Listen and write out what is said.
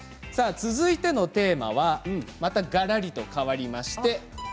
続いてのテーマはがらりと変わります。